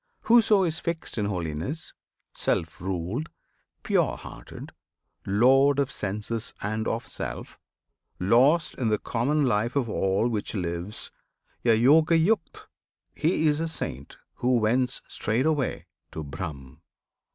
Whoso is fixed in holiness, self ruled, Pure hearted, lord of senses and of self, Lost in the common life of all which lives A "Yogayukt" he is a Saint who wends Straightway to Brahm.